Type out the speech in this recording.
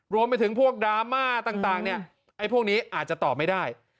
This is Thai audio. รวมไปถึงพวกดราม่าต่างเนี่ยไอ้พวกนี้อาจจะตอบไม่ได้